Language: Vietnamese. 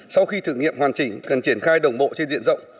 sau khi thử nghiệm hoàn chỉnh cần triển khai đồng bộ trên diện rộng